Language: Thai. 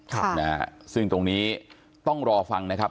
ค่ะนะฮะซึ่งตรงนี้ต้องรอฟังนะครับ